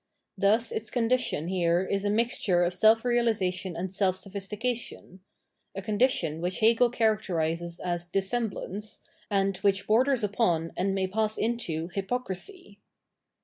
Thus its condition here is a mixture of self realisation and self sophistication — a condition which Hegel characterises as "Dissemblance," and which borders upon and may pass into "Hypocrisy."